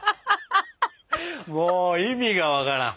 もう意味が分からん。